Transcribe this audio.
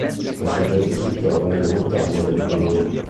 La sorgente si trova nelle montagne del Pamir.